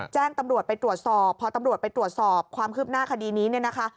แจ้งตำรวจไปตรวจสอบพอตำรวจไปตรวจสอบความคืบหน้าคดีนี้เนี่ยนะคะ